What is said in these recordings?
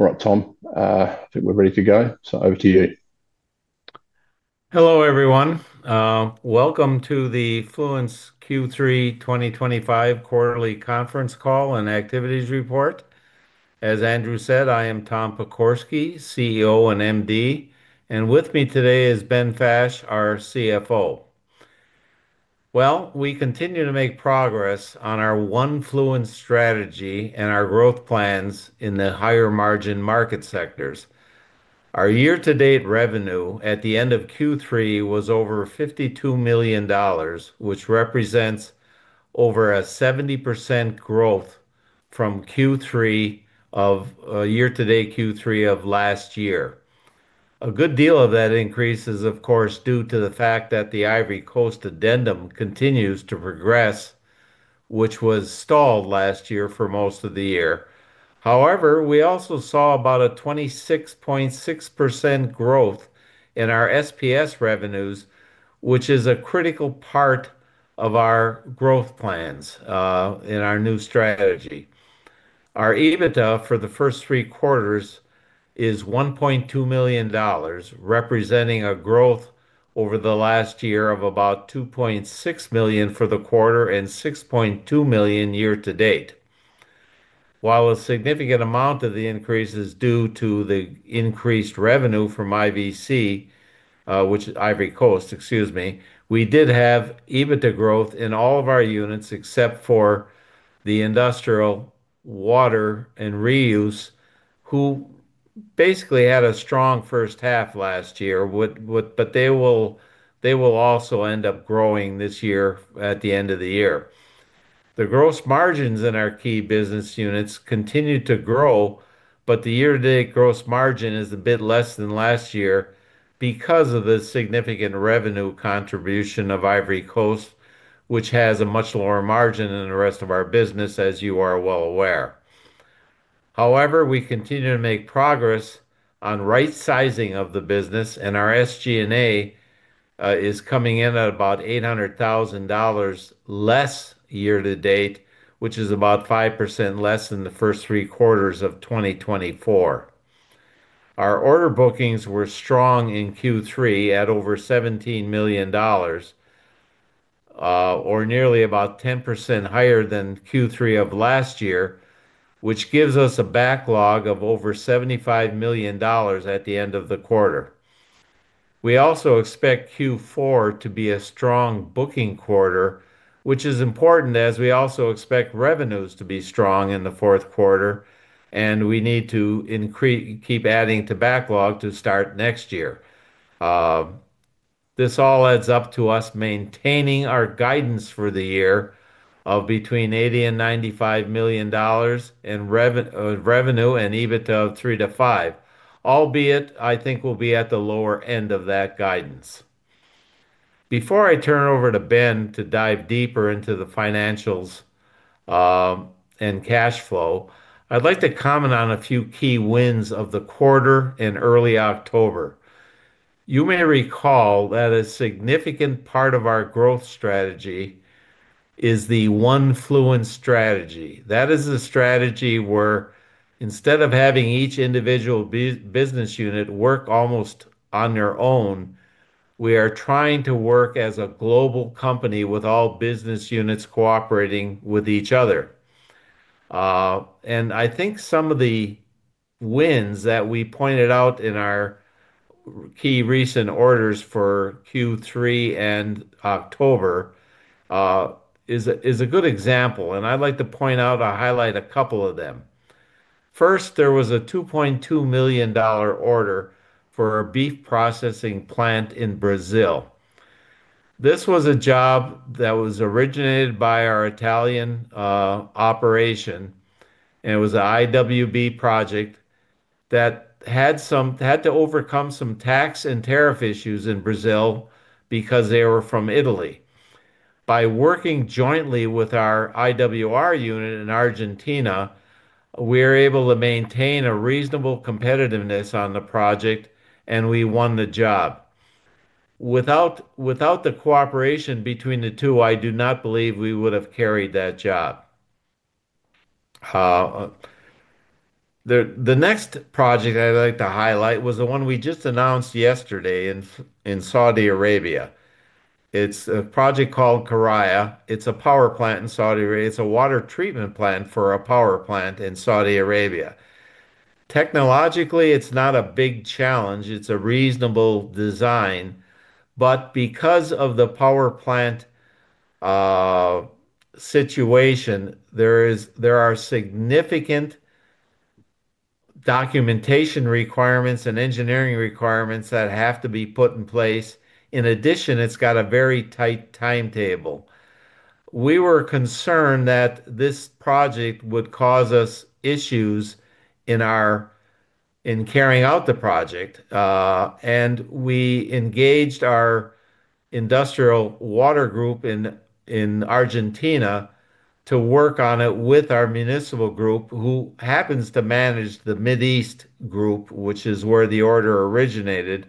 All right, Tom, I think we're ready to go. Over to you. Hello, everyone. Welcome to the Fluence Q3 2025 quarterly conference call and activities report. As Andrew said, I am Tom Pokorsky, CEO and MD, and with me today is Ben Fash, our CFO. We continue to make progress on our one Fluence strategy and our growth plans in the higher margin market sectors. Our year-to-date revenue at the end of Q3 was over $52 million, which represents over a 70% growth from Q3 of year-to-date Q3 of last year. A good deal of that increase is, of course, due to the fact that the Ivory Coast addendum continues to progress, which was stalled last year for most of the year. However, we also saw about a 26.6% growth in our SPS revenues, which is a critical part of our growth plans in our new strategy. Our EBITDA for the first three quarters is $1.2 million, representing a growth over the last year of about $2.6 million for the quarter and $6.2 million year to date. A significant amount of the increase is due to the increased revenue from IBC, which is Ivory Coast, excuse me, we did have EBITDA growth in all of our units except for the industrial water and reuse, who basically had a strong first half last year, but they will also end up growing this year at the end of the year. The gross margins in our key business units continue to grow, but the year-to-date gross margin is a bit less than last year because of the significant revenue contribution of Ivory Coast, which has a much lower margin than the rest of our business, as you are well aware. However, we continue to make progress on right sizing of the business, and our SG&A is coming in at about $800,000 less year to date, which is about 5% less than the first three quarters of 2024. Our order bookings were strong in Q3 at over $17 million, or nearly about 10% higher than Q3 of last year, which gives us a backlog of over $75 million at the end of the quarter. We also expect Q4 to be a strong booking quarter, which is important as we also expect revenues to be strong in the fourth quarter, and we need to keep adding to backlog to start next year. This all adds up to us maintaining our guidance for the year of between $80 and $95 million in revenue and EBITDA of three to five, albeit I think we'll be at the lower end of that guidance. Before I turn over to Ben to dive deeper into the financials and cash flow, I'd like to comment on a few key wins of the quarter in early October. You may recall that a significant part of our growth strategy is the one Fluence strategy. That is a strategy where, instead of having each individual business unit work almost on their own, we are trying to work as a global company with all business units cooperating with each other. I think some of the wins that we pointed out in our key recent orders for Q3 and October are a good example, and I'd like to point out or highlight a couple of them. First, there was a $2.2 million order for a beef processing plant in Brazil. This was a job that was originated by our Italian operation, and it was an IWB project that had to overcome some tax and tariff issues in Brazil because they were from Italy. By working jointly with our IWR unit in Argentina, we were able to maintain a reasonable competitiveness on the project, and we won the job. Without the cooperation between the two, I do not believe we would have carried that job. The next project I'd like to highlight was the one we just announced yesterday in Saudi Arabia. It's a project called Karaya. It's a power plant in Saudi Arabia. It's a water treatment plant for a power plant in Saudi Arabia. Technologically, it's not a big challenge. It's a reasonable design. Because of the power plant situation, there are significant documentation requirements and engineering requirements that have to be put in place. In addition, it's got a very tight timetable. We were concerned that this project would cause us issues in carrying out the project, and we engaged our industrial water group in Argentina to work on it with our municipal group, who happens to manage the Mideast group, which is where the order originated.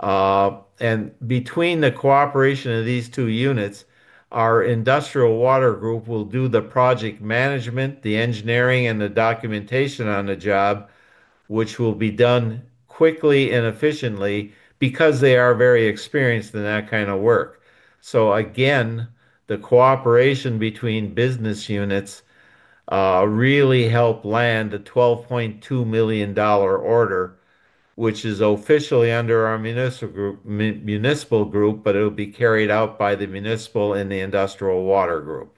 Between the cooperation of these two units, our industrial water group will do the project management, the engineering, and the documentation on the job, which will be done quickly and efficiently because they are very experienced in that kind of work. Again, the cooperation between business units really helped land a $12.2 million order, which is officially under our municipal group, but it will be carried out by the municipal and the industrial water group.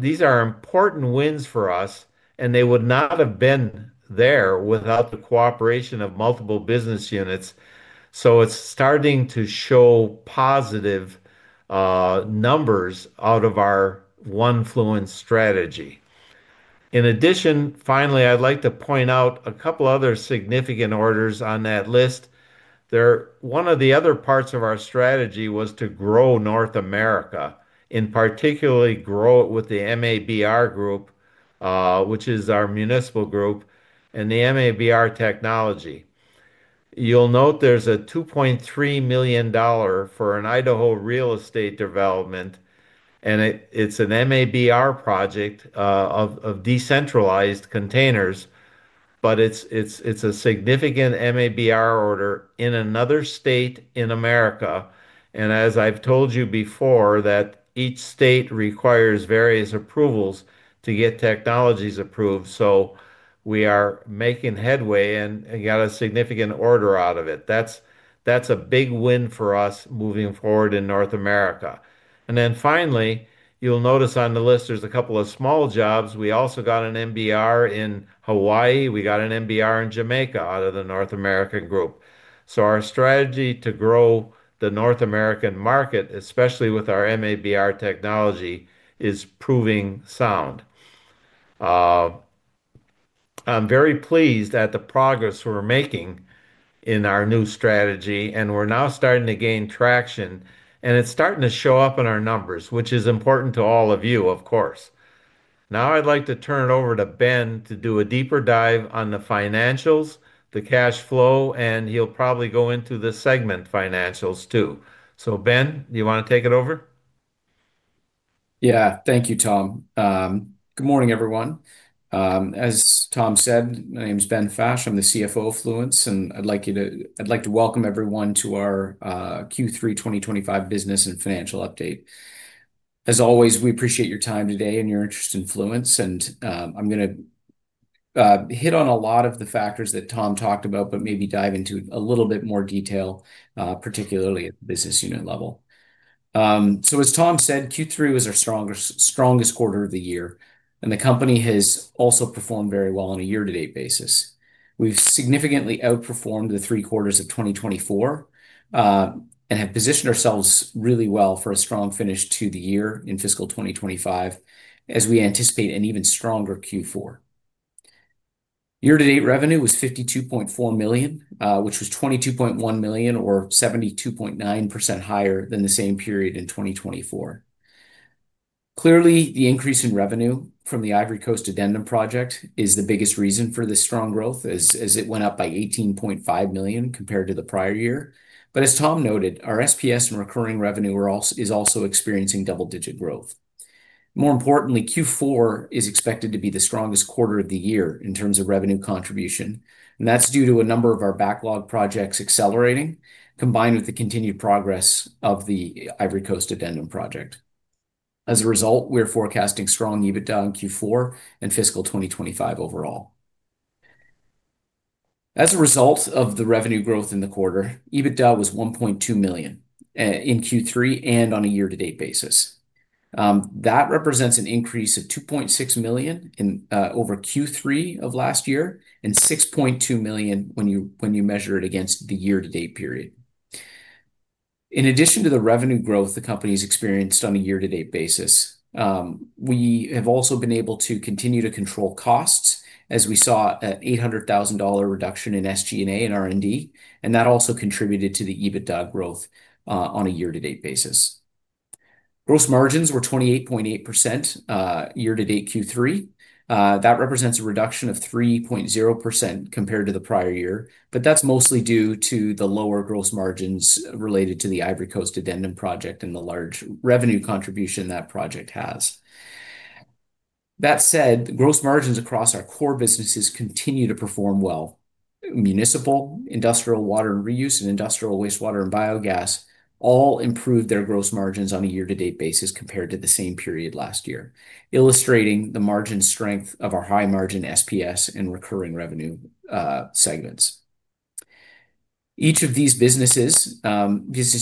These are important wins for us, and they would not have been there without the cooperation of multiple business units. It's starting to show positive numbers out of our one Fluence strategy. In addition, finally, I'd like to point out a couple of other significant orders on that list. One of the other parts of our strategy was to grow North America, in particular grow it with the MABR group, which is our municipal group, and the MABR technology. You'll note there's a $2.3 million for an Idaho real estate development, and it's an MABR project of decentralized containers, but it's a significant MABR order in another state in the United States. As I've told you before, each state requires various approvals to get technologies approved. We are making headway and got a significant order out of it. That's a big win for us moving forward in North America. You'll notice on the list there's a couple of small jobs. We also got an MABR in Hawaii. We got an MABR in Jamaica out of the North American group. Our strategy to grow the North American market, especially with our MABR technology, is proving sound. I'm very pleased at the progress we're making in our new strategy, and we're now starting to gain traction, and it's starting to show up in our numbers, which is important to all of you, of course. Now I'd like to turn it over to Ben to do a deeper dive on the financials, the cash flow, and he'll probably go into the segment financials too. Ben, do you want to take it over? Yeah, thank you, Tom. Good morning, everyone. As Tom said, my name is Ben Fash. I'm the CFO of Fluence, and I'd like to welcome everyone to our Q3 2025 business and financial update. As always, we appreciate your time today and your interest in Fluence, and I'm going to hit on a lot of the factors that Tom talked about, maybe dive into a little bit more detail, particularly at the business unit level. As Tom said, Q3 was our strongest quarter of the year, and the company has also performed very well on a year-to-date basis. We've significantly outperformed the three quarters of 2024 and have positioned ourselves really well for a strong finish to the year in fiscal 2025, as we anticipate an even stronger Q4. Year-to-date revenue was $52.4 million, which was $22.1 million or 72.9% higher than the same period in 2024. Clearly, the increase in revenue from the Ivory Coast addendum project is the biggest reason for this strong growth, as it went up by $18.5 million compared to the prior year. As Tom noted, our SPS and recurring revenue is also experiencing double-digit growth. More importantly, Q4 is expected to be the strongest quarter of the year in terms of revenue contribution, and that's due to a number of our backlog projects accelerating, combined with the continued progress of the Ivory Coast addendum project. As a result, we're forecasting strong EBITDA in Q4 and fiscal 2025 overall. As a result of the revenue growth in the quarter, EBITDA was $1.2 million in Q3 and on a year-to-date basis. That represents an increase of $2.6 million over Q3 of last year and $6.2 million when you measure it against the year-to-date period. In addition to the revenue growth the company has experienced on a year-to-date basis, we have also been able to continue to control costs, as we saw an $800,000 reduction in SG&A and R&D, and that also contributed to the EBITDA growth on a year-to-date basis. Gross margins were 28.8% year-to-date Q3. That represents a reduction of 3.0% compared to the prior year, but that's mostly due to the lower gross margins related to the Ivory Coast addendum project and the large revenue contribution that project has. That said, the gross margins across our core businesses continue to perform well. Municipal, industrial water and reuse, and industrial wastewater and biogas all improved their gross margins on a year-to-date basis compared to the same period last year, illustrating the margin strength of our high margin SPS and recurring revenue segments. Each of these business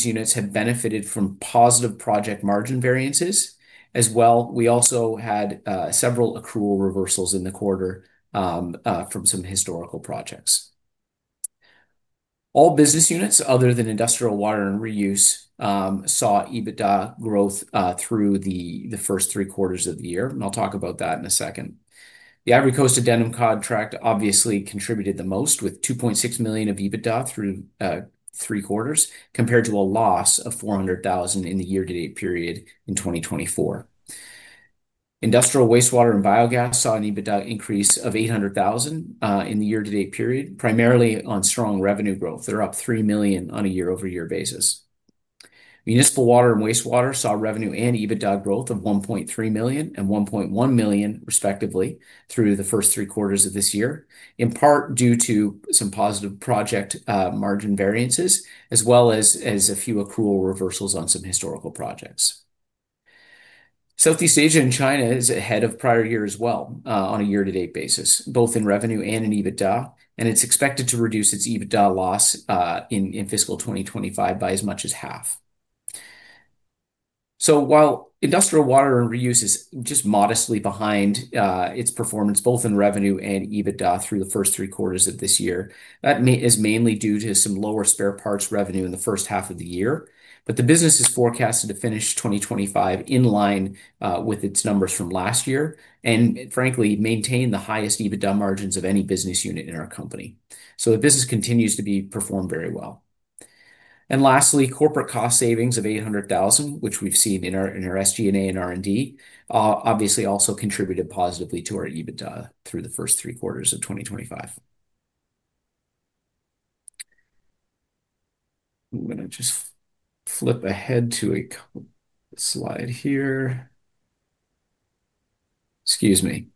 units have benefited from positive project margin variances. As well, we also had several accrual reversals in the quarter from some historical projects. All business units, other than industrial water and reuse, saw EBITDA growth through the first three quarters of the year, and I'll talk about that in a second. The Ivory Coast addendum contract obviously contributed the most, with $2.6 million of EBITDA through three quarters, compared to a loss of $0.4 million in the year-to-date period in 2024. Industrial wastewater and biogas saw an EBITDA increase of $0.8 million in the year-to-date period, primarily on strong revenue growth. They're up $3 million on a year-over-year basis. Municipal water and wastewater saw revenue and EBITDA growth of $1.3 million and $1.1 million, respectively, through the first three quarters of this year, in part due to some positive project margin variances, as well as a few accrual reversals on some historical projects. Southeast Asia and China is ahead of prior year as well on a year-to-date basis, both in revenue and in EBITDA, and it's expected to reduce its EBITDA loss in fiscal 2025 by as much as half. While industrial water and reuse is just modestly behind its performance, both in revenue and EBITDA through the first three quarters of this year, that is mainly due to some lower spare parts revenue in the first half of the year. The business is forecasted to finish 2025 in line with its numbers from last year and, frankly, maintain the highest EBITDA margins of any business unit in our company. The business continues to perform very well. Lastly, corporate cost savings of $0.8 million, which we've seen in our SG&A and R&D, obviously also contributed positively to our EBITDA through the first three quarters of 2025. I'm going to just flip ahead to a slide here. Excuse me.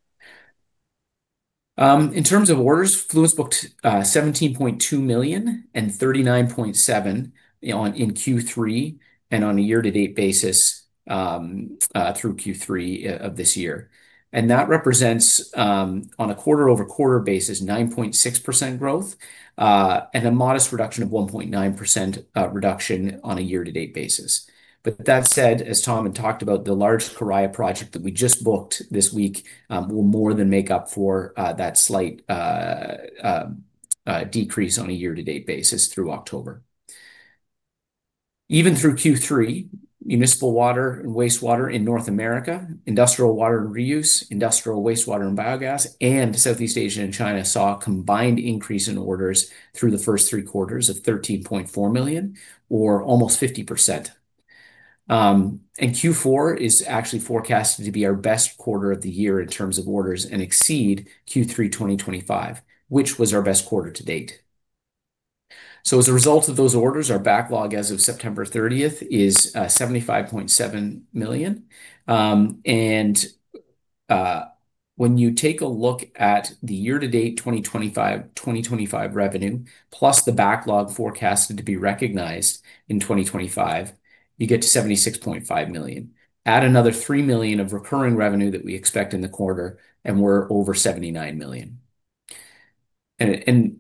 In terms of orders, Fluence Corporation booked $17.2 million and $39.7 million in Q3 and on a year-to-date basis through Q3 of this year. That represents, on a quarter-over-quarter basis, 9.6% growth and a modest reduction of 1.9% on a year-to-date basis. As Tom had talked about, the large Karaya power plant project that we just booked this week will more than make up for that slight decrease on a year-to-date basis through October. Even through Q3, municipal water and wastewater in North America, industrial water and reuse, industrial wastewater and biogas, and Southeast Asia and China saw a combined increase in orders through the first three quarters of $13.4 million or almost 50%. Q4 is actually forecasted to be our best quarter of the year in terms of orders and exceed Q3 2025, which was our best quarter to date. As a result of those orders, our backlog as of September 30 is $75.7 million. When you take a look at the year-to-date 2025 revenue, plus the backlog forecasted to be recognized in 2025, you get to $76.5 million. Add another $3 million of recurring revenue that we expect in the quarter, and we're over $79 million.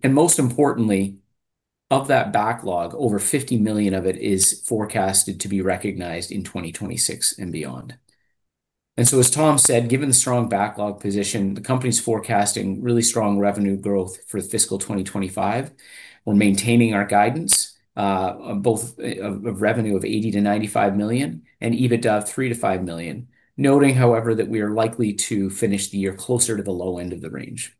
Most importantly, of that backlog, over $50 million of it is forecasted to be recognized in 2026 and beyond. As Tom said, given the strong backlog position, the company's forecasting really strong revenue growth for fiscal 2025. We're maintaining our guidance, both of revenue of $80 to $95 million and EBITDA of $3 to $5 million, noting, however, that we are likely to finish the year closer to the low end of the range.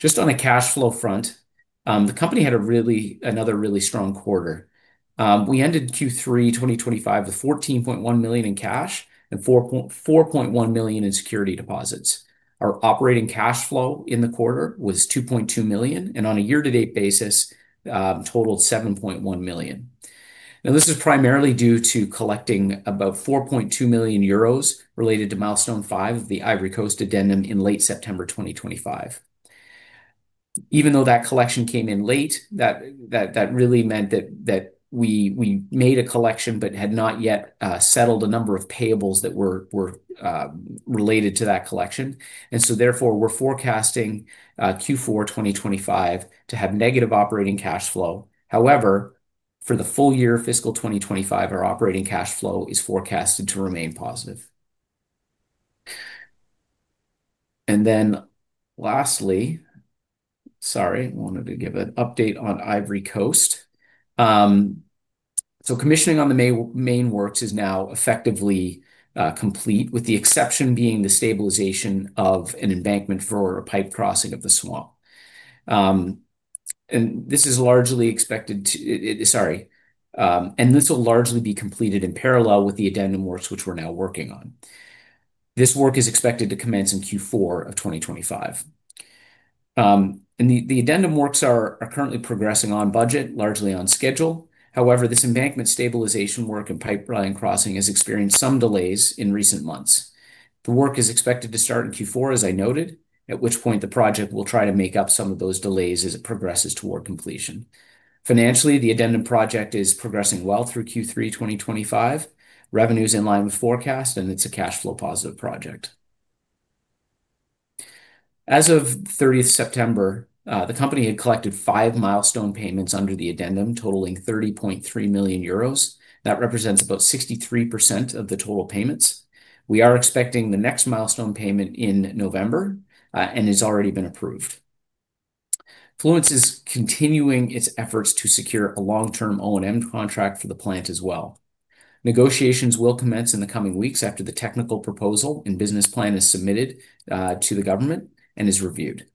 Just on the cash flow front, the company had another really strong quarter. We ended Q3 2025 with $14.1 million in cash and $4.1 million in security deposits. Our operating cash flow in the quarter was $2.2 million, and on a year-to-date basis, totaled $7.1 million. This is primarily due to collecting about €4.2 million related to milestone five of the Ivory Coast addendum in late September 2025. Even though that collection came in late, that really meant that we made a collection but had not yet settled a number of payables that were related to that collection. Therefore, we're forecasting Q4 2025 to have negative operating cash flow. However, for the full year of fiscal 2025, our operating cash flow is forecasted to remain positive. Lastly, I wanted to give an update on Ivory Coast. Commissioning on the main works is now effectively complete, with the exception being the stabilization of an embankment for a pipe crossing of the swamp. This will largely be completed in parallel with the addendum works, which we're now working on. This work is expected to commence in Q4 of 2025. The addendum works are currently progressing on budget, largely on schedule. However, this embankment stabilization work and pipeline crossing has experienced some delays in recent months. The work is expected to start in Q4, as I noted, at which point the project will try to make up some of those delays as it progresses toward completion. Financially, the addendum project is progressing well through Q3 2025. Revenue is in line with forecast, and it's a cash flow positive project. As of September 30, the company had collected five milestone payments under the addendum, totaling €30.3 million. That represents about 63% of the total payments. We are expecting the next milestone payment in November and it has already been approved. Fluence is continuing its efforts to secure a long-term O&M contract for the plant as well. Negotiations will commence in the coming weeks after the technical proposal and business plan is submitted to the government and is reviewed.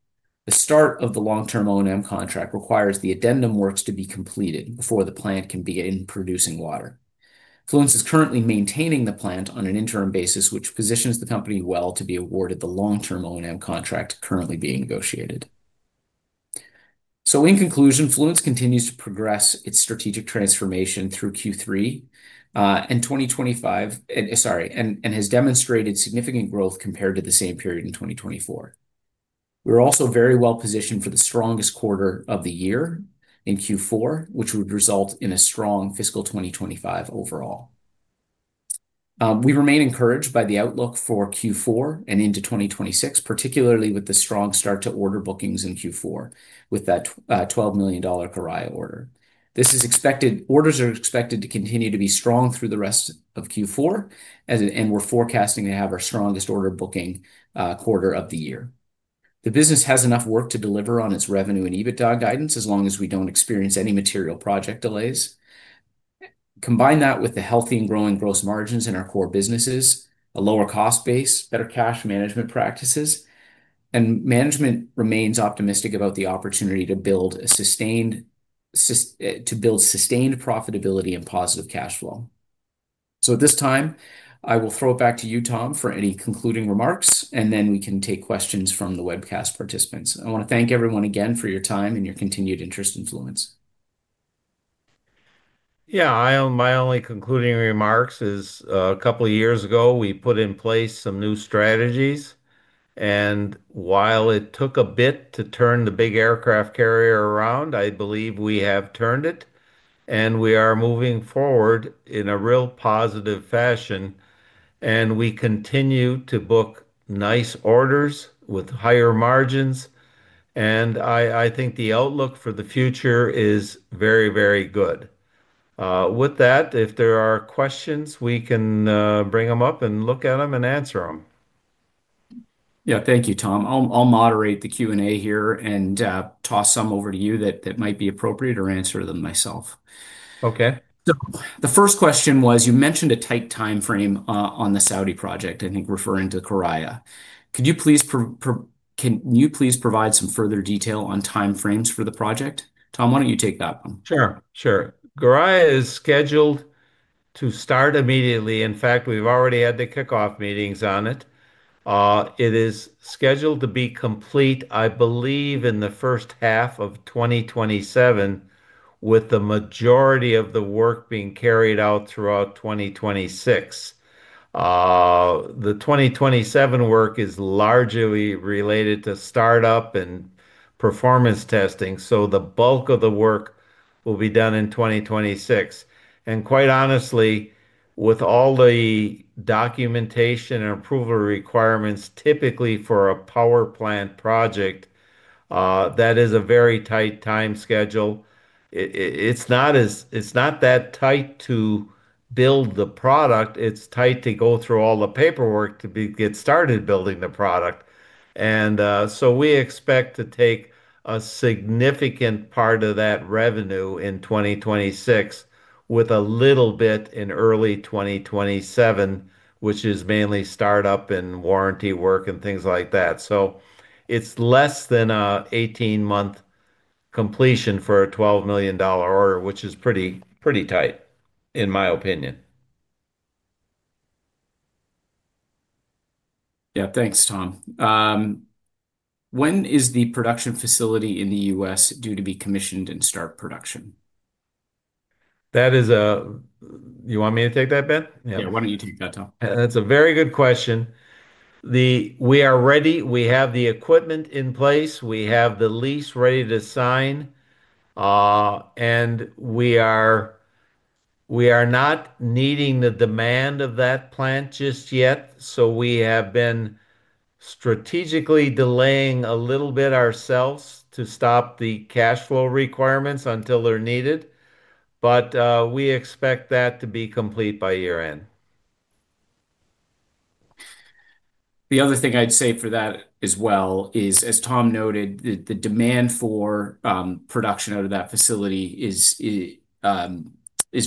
The start of the long-term O&M contract requires the addendum works to be completed before the plant can begin producing water. Fluence is currently maintaining the plant on an interim basis, which positions the company well to be awarded the long-term O&M contract currently being negotiated. In conclusion, Fluence continues to progress its strategic transformation through Q3 and 2025, and has demonstrated significant growth compared to the same period in 2024. We're also very well positioned for the strongest quarter of the year in Q4, which would result in a strong fiscal 2025 overall. We remain encouraged by the outlook for Q4 and into 2026, particularly with the strong start to order bookings in Q4 with that $12 million Karaya order. Orders are expected to continue to be strong through the rest of Q4, and we're forecasting to have our strongest order booking quarter of the year. The business has enough work to deliver on its revenue and EBITDA guidance as long as we don't experience any material project delays. Combine that with the healthy and growing gross margins in our core businesses, a lower cost base, better cash management practices, and management remains optimistic about the opportunity to build sustained profitability and positive cash flow. At this time, I will throw it back to you, Tom, for any concluding remarks, and then we can take questions from the webcast participants. I want to thank everyone again for your time and your continued interest in Fluence. My only concluding remarks is a couple of years ago, we put in place some new strategies, and while it took a bit to turn the big aircraft carrier around, I believe we have turned it, and we are moving forward in a real positive fashion. We continue to book nice orders with higher margins, and I think the outlook for the future is very, very good. With that, if there are questions, we can bring them up and look at them and answer them. Yeah, thank you, Tom. I'll moderate the Q&A here and toss some over to you that might be appropriate or answer them myself. Okay. The first question was, you mentioned a tight timeframe on the Saudi project, I think referring to Karaya. Can you please provide some further detail on timeframes for the project? Tom, why don't you take that one? Sure, sure. Karaya is scheduled to start immediately. In fact, we've already had the kickoff meetings on it. It is scheduled to be complete, I believe, in the first half of 2027, with the majority of the work being carried out throughout 2026. The 2027 work is largely related to startup and performance testing, so the bulk of the work will be done in 2026. Quite honestly, with all the documentation and approval requirements, typically for a power plant project, that is a very tight time schedule. It's not that tight to build the product. It's tight to go through all the paperwork to get started building the product. We expect to take a significant part of that revenue in 2026, with a little bit in early 2027, which is mainly startup and warranty work and things like that. It's less than an 18-month completion for a $12 million order, which is pretty tight, in my opinion. Yeah, thanks, Tom. When is the production facility in the U.S. due to be commissioned and start production? You want me to take that, Ben? Yeah, why don't you take that, Tom? That's a very good question. We are ready. We have the equipment in place, we have the lease ready to sign, and we are not meeting the demand of that plant just yet. We have been strategically delaying a little bit ourselves to stop the cash flow requirements until they're needed. We expect that to be complete by year-end. The other thing I'd say for that as well is, as Tom noted, the demand for production out of that facility is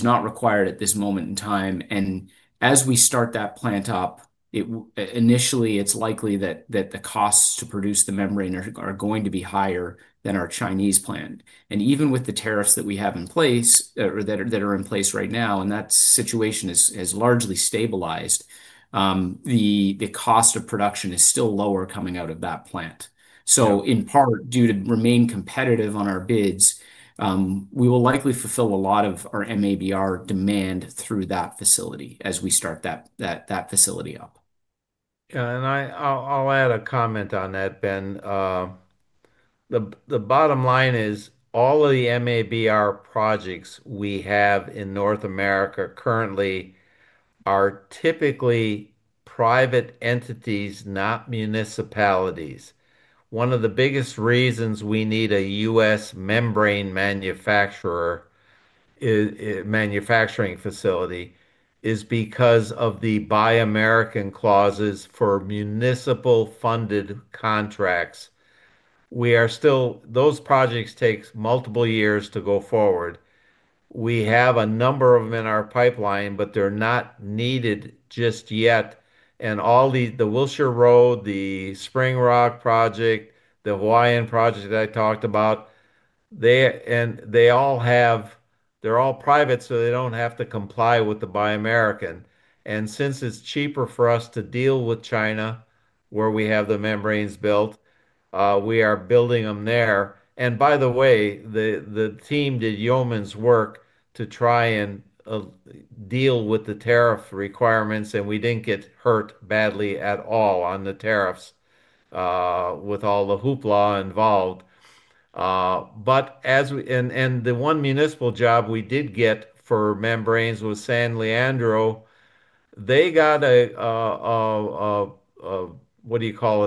not required at this moment in time. As we start that plant up, initially, it's likely that the costs to produce the membrane are going to be higher than our Chinese plant. Even with the tariffs that we have in place or that are in place right now, and that situation has largely stabilized, the cost of production is still lower coming out of that plant. In part, due to remain competitive on our bids, we will likely fulfill a lot of our MABR demand through that facility as we start that facility up. Yeah, and I'll add a comment on that, Ben. The bottom line is all of the MABR projects we have in North America currently are typically private entities, not municipalities. One of the biggest reasons we need a U.S. membrane manufacturing facility is because of the Buy American clauses for municipal-funded contracts. Those projects take multiple years to go forward. We have a number of them in our pipeline, but they're not needed just yet. All the Wilshire Road, the Spring Rock project, the Hawaiian project that I talked about, they all have—they're all private, so they don't have to comply with the Buy American. Since it's cheaper for us to deal with China, where we have the membranes built, we are building them there. By the way, the team did yeoman's work to try and deal with the tariff requirements, and we didn't get hurt badly at all on the tariffs with all the hoopla involved. The one municipal job we did get for membranes was San Leandro. They got a—what do you call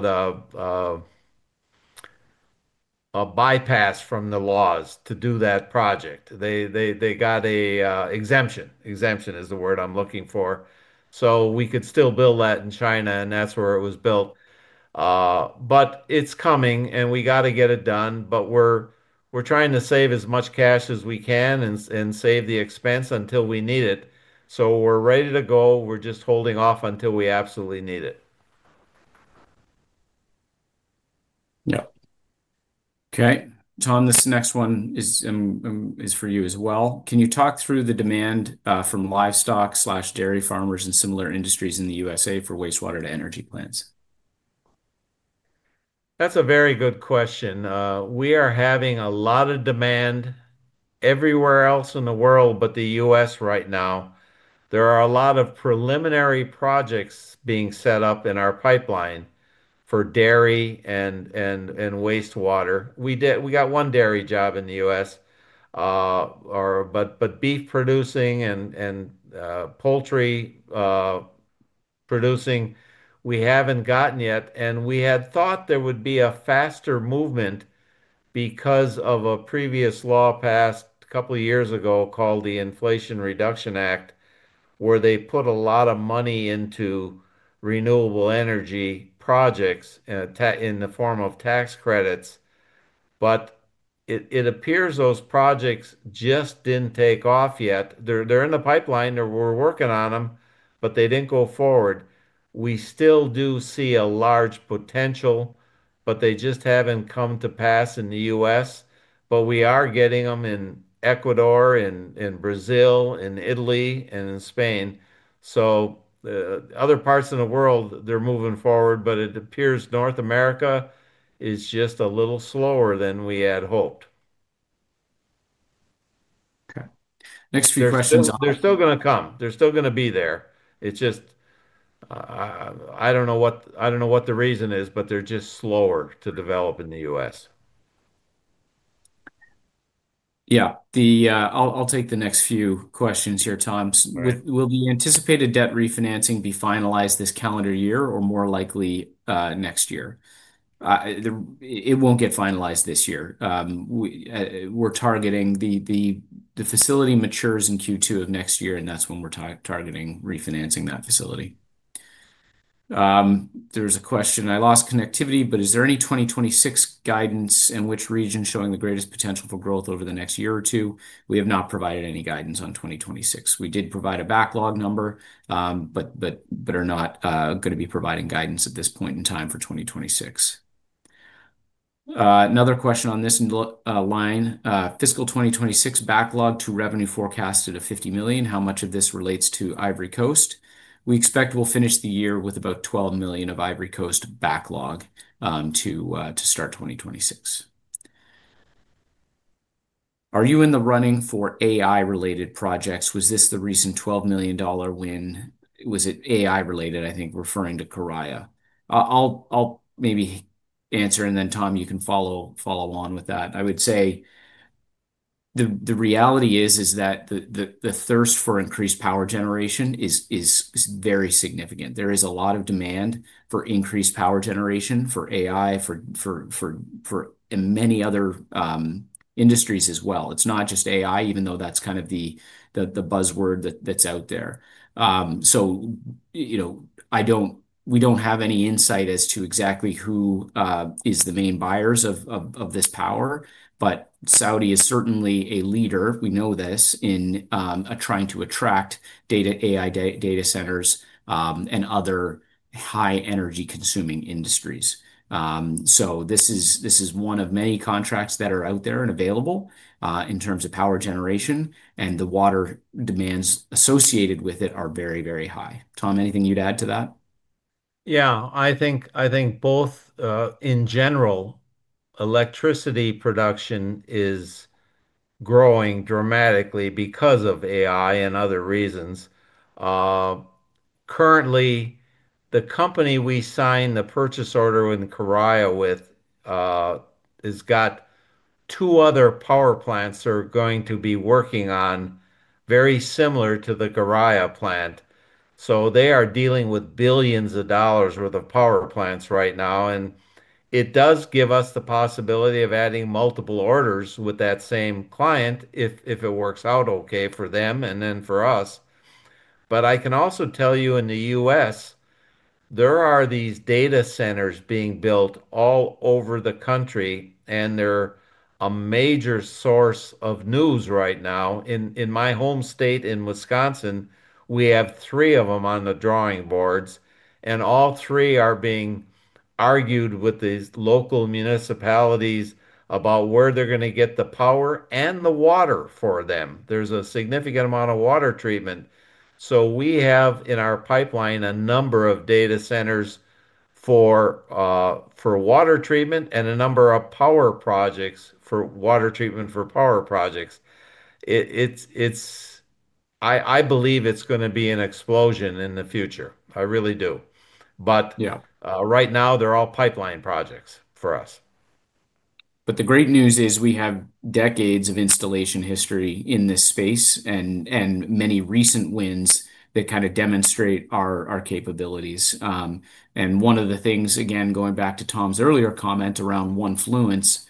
it—a bypass from the laws to do that project. They got an exemption. Exemption is the word I'm looking for. We could still build that in China, and that's where it was built. It's coming, and we got to get it done. We're trying to save as much cash as we can and save the expense until we need it. We're ready to go. We're just holding off until we absolutely need it. Okay. Tom, this next one is for you as well. Can you talk through the demand from livestock/dairy farmers and similar industries in the U.S. for wastewater-to-energy plants? That's a very good question. We are having a lot of demand everywhere else in the world, but the U.S. right now. There are a lot of preliminary projects being set up in our pipeline for dairy and wastewater. We got one dairy job in the U.S., but beef producing and poultry producing, we haven't gotten yet. We had thought there would be a faster movement because of a previous law passed a couple of years ago called the Inflation Reduction Act, where they put a lot of money into renewable energy projects in the form of tax credits. It appears those projects just didn't take off yet. They're in the pipeline. We're working on them, but they didn't go forward. We still do see a large potential, but they just haven't come to pass in the U.S. We are getting them in Ecuador, in Brazil, in Italy, and in Spain. Other parts of the world, they're moving forward, but it appears North America is just a little slower than we had hoped. Okay, next few questions. They're still going to come. They're still going to be there. I don't know what the reason is, but they're just slower to develop in the U.S. Yeah. I'll take the next few questions here, Tom. Will the anticipated debt refinancing be finalized this calendar year or more likely next year? It won't get finalized this year. We're targeting the facility matures in Q2 of next year, and that's when we're targeting refinancing that facility. There's a question. I lost connectivity, but is there any 2026 guidance in which region showing the greatest potential for growth over the next year or two? We have not provided any guidance on 2026. We did provide a backlog number, but are not going to be providing guidance at this point in time for 2026. Another question on this line. Fiscal 2026 backlog to revenue forecasted at $50 million. How much of this relates to Ivory Coast? We expect we'll finish the year with about $12 million of Ivory Coast backlog to start 2026. Are you in the running for AI-related projects? Was this the recent $12 million win? Was it AI-related? I think referring to Karaya. I'll maybe answer, and then, Tom, you can follow on with that. I would say the reality is that the thirst for increased power generation is very significant. There is a lot of demand for increased power generation for AI, for many other industries as well. It's not just AI, even though that's kind of the buzzword that's out there. You know we don't have any insight as to exactly who is the main buyers of this power, but Saudi is certainly a leader, we know this, in trying to attract AI data centers and other high-energy-consuming industries. This is one of many contracts that are out there and available in terms of power generation, and the water demands associated with it are very, very high. Tom, anything you'd add to that? Yeah, I think both in general, electricity production is growing dramatically because of AI and other reasons. Currently, the company we signed the purchase order with, Karaya, has got two other power plants that are going to be working on very similar to the Karaya plant. They are dealing with billions of dollars' worth of power plants right now, and it does give us the possibility of adding multiple orders with that same client if it works out okay for them and then for us. I can also tell you in the U.S., there are these data centers being built all over the country, and they're a major source of news right now. In my home state in Wisconsin, we have three of them on the drawing boards, and all three are being argued with these local municipalities about where they're going to get the power and the water for them. There's a significant amount of water treatment. We have in our pipeline a number of data centers for water treatment and a number of power projects for water treatment for power projects. I believe it's going to be an explosion in the future. I really do. Right now, they're all pipeline projects for us. The great news is we have decades of installation history in this space and many recent wins that kind of demonstrate our capabilities. One of the things, again, going back to Tom Pokorsky's earlier comment around One Fluence,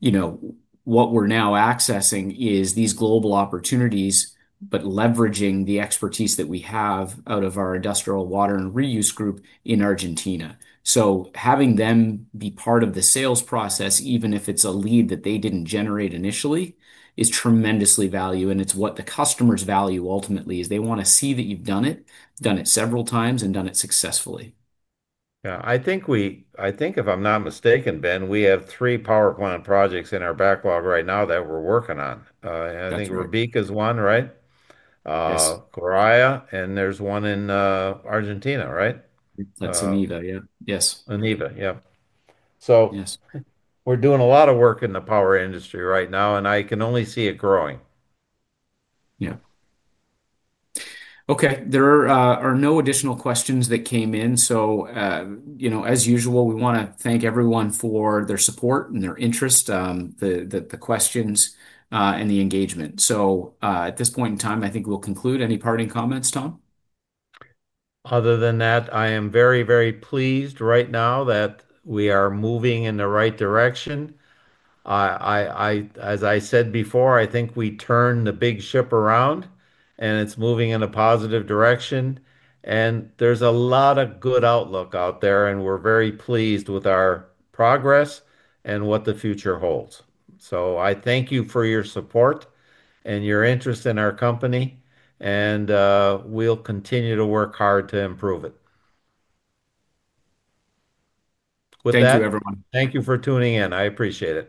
you know what we're now accessing is these global opportunities, but leveraging the expertise that we have out of our industrial water and reuse group in Argentina. Having them be part of the sales process, even if it's a lead that they didn't generate initially, is tremendously valued, and it's what the customers value ultimately. They want to see that you've done it, done it several times, and done it successfully. Yeah, I think if I'm not mistaken, Ben, we have three power plant projects in our backlog right now that we're working on. I think Karaya is one, right? Yes. Karaya, and there's one in Argentina, right? It's Aniva. Yes. Aniva, yeah, we're doing a lot of work in the power industry right now, and I can only see it growing. Yeah. Okay. There are no additional questions that came in. As usual, we want to thank everyone for their support and their interest, the questions, and the engagement. At this point in time, I think we'll conclude. Any parting comments, Tom? Other than that, I am very, very pleased right now that we are moving in the right direction. As I said before, I think we turned the big ship around, and it's moving in a positive direction. There is a lot of good outlook out there, and we're very pleased with our progress and what the future holds. I thank you for your support and your interest in our company, and we'll continue to work hard to improve it. Thank you, everyone. Thank you for tuning in. I appreciate it.